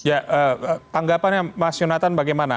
ya tanggapannya mas yonatan bagaimana